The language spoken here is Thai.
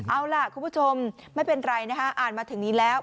เอาล่ะคุณผู้ชมไม่เป็นไรนะฮะอ่านมาถึงนี้แล้ว